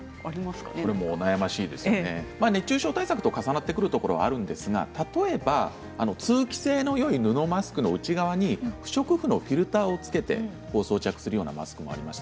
熱中症対策と重なるところがありますが例えば通気性のよい布マスクの内側に不織布のフィルターをつけて装着するようなマスクがあります。